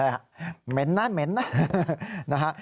เหม็นนะเหม็นนะ